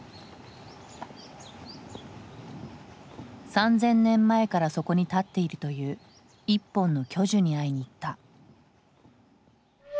３，０００年前からそこに立っているという１本の巨樹に会いに行った。